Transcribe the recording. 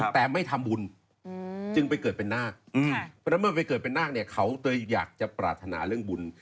แต่ไม่ทำบุญจึงไปเกิดเป็นนากฟังแล้วเมื่อจะไปเกิดเป็นนางเขามีอยากจะปรัฐนาเรื่องบุญ